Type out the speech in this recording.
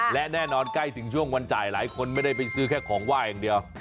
และแน่นอนใกล้ถึงช่วงวันจ่ายหลายคนไม่ได้ไปซื้อแค่ของไหว้อย่างเดียว